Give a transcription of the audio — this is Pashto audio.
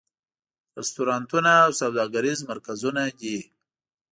رستورانتونه او سوداګریز مرکزونه دي.